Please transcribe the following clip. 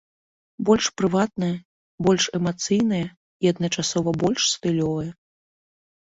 Больш прыватная, больш эмацыйная і адначасова больш стылёвая.